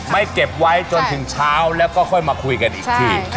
เก็บไว้จนถึงเช้าแล้วก็ค่อยมาคุยกันอีกที